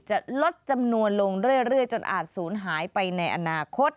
จะลดจำนวนลงเรื่อยจนอาจศูนย์หายไปในอนาคต